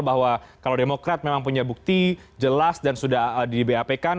bahwa kalau demokrat memang punya bukti jelas dan sudah di bap kan